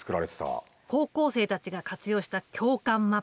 高校生たちが活用した共感マップ。